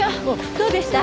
どうでした？